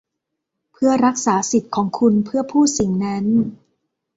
เพื่อรักษาสิทธิ์ของคุณเพื่อพูดสิ่งนั้น